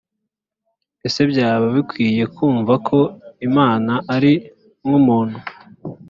ese byaba bikwiriye kumva ko imana ari nkumuntu?